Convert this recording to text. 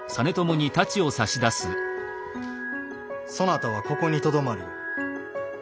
そなたはここにとどまるように。